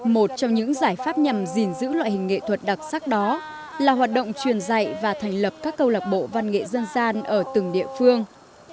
một trong những giải pháp nhằm gìn giữ loại hình nghệ thuật đặc sắc đó là hoạt động truyền dạy và thành lập các câu lạc bộ văn nghệ dân gian ở từng địa phương